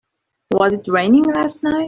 Was it raining last night?